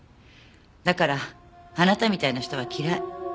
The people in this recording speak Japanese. だからあなたみたいな人は嫌い。